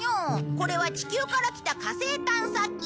これは地球から来た火星探査機。